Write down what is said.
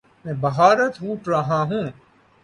میں بھارت ہوٹ رہا ہوں